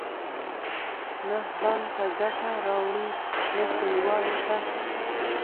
نه ځان ته ګټه راوړي، نه کلیوالو ته.